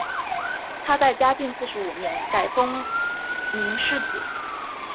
他在嘉靖四十五年改封岷世子。